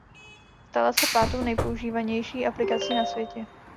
Stala se pátou nejpoužívanější aplikací na světě.